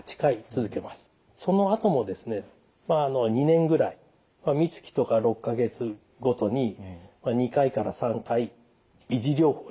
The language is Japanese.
そのあともですね２年ぐらいみつきとか６か月ごとに２回から３回維持療法していく。